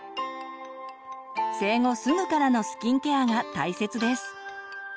生後すぐからのスキンケアが大切です。